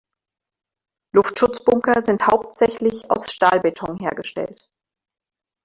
Luftschutzbunker sind hauptsächlich aus Stahlbeton hergestellt.